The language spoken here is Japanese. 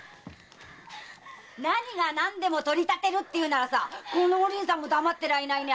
何が何でも取り立てるっていうならこのお凛さんが黙ってられないね